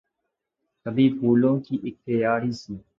کبھی پھولوں کی اک کیاری سی